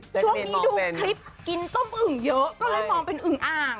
ช่วงนี้ดูคลิปกินต้มอึ่งเยอะก็เลยมองเป็นอึงอ่าง